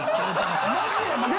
マジで？